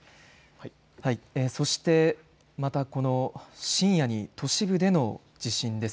そして、またこの深夜に都市部での地震です。